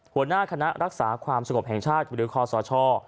หัวหน้าคณะรักษาความสงบแห่งชาติหรือคอสช